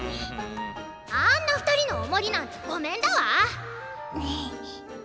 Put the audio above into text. あんな２人のお守りなんてごめんだわ！